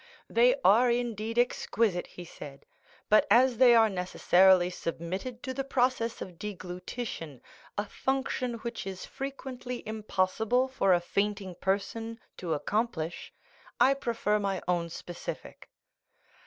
"They are indeed exquisite," he said; "but as they are necessarily submitted to the process of deglutition—a function which it is frequently impossible for a fainting person to accomplish—I prefer my own specific."